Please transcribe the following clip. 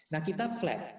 nah kita flat